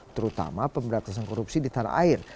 terutama pemberantasan korupsi di tanah air